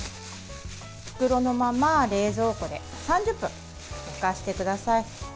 袋のまま冷蔵庫で３０分寝かせてください。